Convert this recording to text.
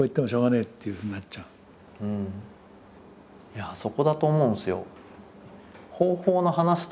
いやあそこだと思うんですよ。